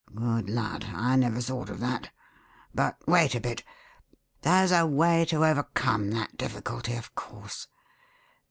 "Good lud! I never thought of that. But wait a bit. There's a way to overcome that difficulty, of course.